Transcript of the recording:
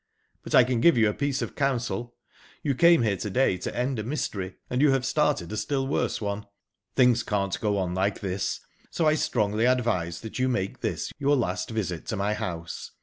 But I can give you a piece of counsel. You came here to day to end a mystery, and you have started a still worse one. Things can't go on like this; so I strongly advise that you make this your last visit to my house.